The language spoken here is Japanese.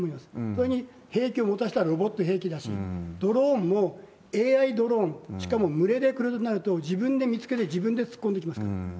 それに兵器を持たしたら、兵器だし、ドローンも、ＡＩドローン、しかも群れで来るとなると、自分で見つけて、自分で突っ込んできますから。